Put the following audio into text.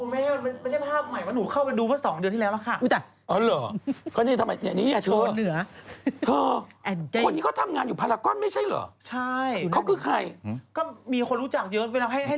พี่วิทย์พี่วิทย์พี่วิทย์พี่วิทย์พี่วิทย์พี่วิทย์พี่วิทย์พี่วิทย์เขาเลิกกันไปแล้วไง